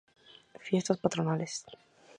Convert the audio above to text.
Fiestas Patronales.